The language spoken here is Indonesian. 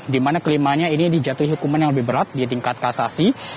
di mana kelimanya ini dijatuhi hukuman yang lebih berat di tingkat kasasi